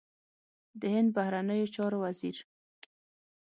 د هند بهرنیو چارو وزیر